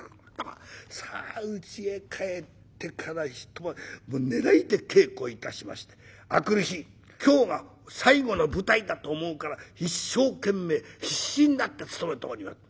さあうちへ帰ってから一晩寝ないで稽古致しまして明くる日今日が最後の舞台だと思うから一生懸命必死になって務めております。